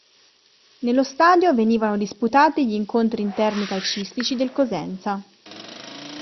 Nello stadio venivano disputati gli incontri interni calcistici del Cosenza.